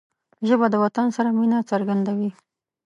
ژبه د وطن سره مینه څرګندوي